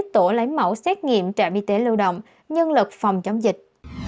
một tổ lấy mẫu xét nghiệm trạm y tế lưu động nhân lực phòng chống dịch